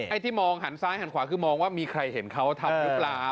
ที่มองหันซ้ายหันขวาคือมองว่ามีใครเห็นเขาทำหรือเปล่า